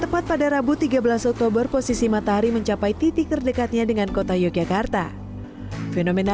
tepat pada rabu tiga belas oktober posisi matahari mencapai titik terdekatnya dengan kota yogyakarta fenomena